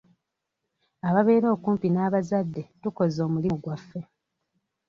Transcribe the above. Ababeera okumpi n'abazadde tukoze omuli gwaffe.